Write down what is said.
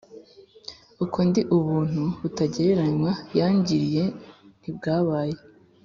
uko ndi Ubuntu butagereranywa yangiriye ntibwabaye